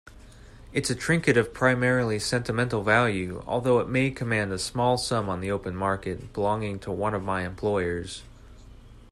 It's a trinket of primarily sentimental value, although it might command a small sum on the open market, belonging to one of my employers.